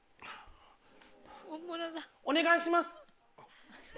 お願いします。